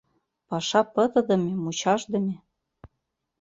Паша пытыдыме, мучашдыме.